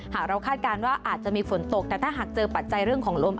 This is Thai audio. หากเราคาดการณ์ว่าอาจจะมีฝนตกแต่ถ้าหากเจอปัจจัยเรื่องของลม